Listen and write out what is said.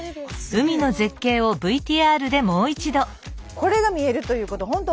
これが見えるということ本当